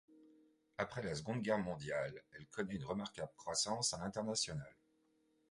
Après la Seconde Guerre mondiale, elle connait une remarquable croissance à l'international.